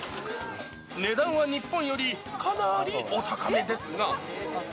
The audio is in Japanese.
値段は日本よりかなりお高めですが。